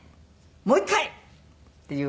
もう一回！」っていう。